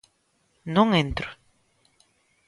Non entro.